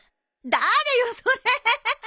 誰よそれ！